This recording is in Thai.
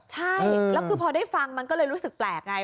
ใช่แล้วคือพอได้ฟังมันก็เลยรู้สึกแปลกไง